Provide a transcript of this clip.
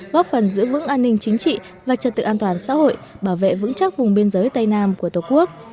góp phần giữ vững an ninh chính trị và trật tự an toàn xã hội bảo vệ vững chắc vùng biên giới tây nam của tổ quốc